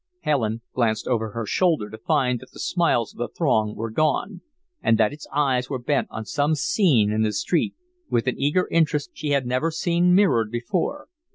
Helen glanced over her shoulder to find that the smiles of the throng were gone and that its eyes were bent on some scene in the street, with an eager interest she had never seen mirrored before.